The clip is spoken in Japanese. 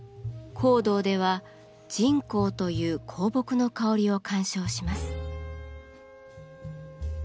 香道では沈香という香木の香りを鑑賞します。